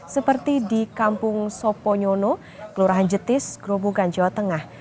seperti di kampung soponyono kelurahan jetis gerobogan jawa tengah